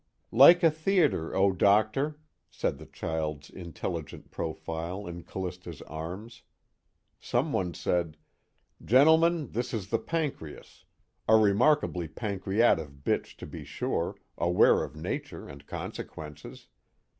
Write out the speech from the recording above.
"Like a theater Oh doctor," said the child's intelligent profile in Callista's arms. Someone said: "Gentlemen, this is the pancreas a remarkably pancreative bitch to be sure, aware of nature and consequences.